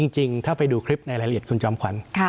จริงถ้าไปดูคลิปในรายละเอียดคุณจอมขวัญ